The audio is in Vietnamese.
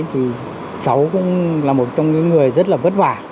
thì cháu cũng là một trong những người rất là vất vả